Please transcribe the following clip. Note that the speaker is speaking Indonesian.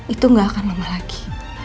itu gak akan lemah lagi